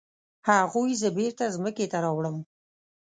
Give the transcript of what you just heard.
هغوی زه بیرته ځمکې ته راوړم.